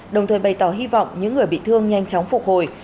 đồng thời bày tỏ hy vọng những người bị thương nhanh chóng phục hồi